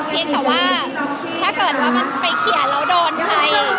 แต่ว่าถ้าเกิดว่ามันไปเขียนแล้วโดนใคร